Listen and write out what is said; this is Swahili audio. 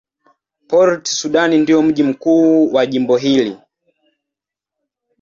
Port Sudan ndio mji mkuu wa jimbo hili.